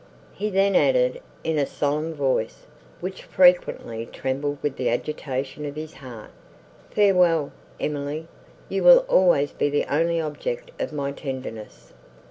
He then added, in a solemn voice, which frequently trembled with the agitation of his heart, "Farewell, Emily, you will always be the only object of my tenderness.